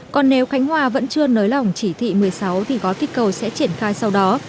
còn nếu khánh hòa vẫn chưa nới lỏng chỉ thị một mươi sáu thì gói kích cầu sẽ triển khai sau đó